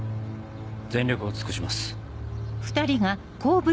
全力を尽くします。